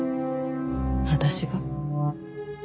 私が？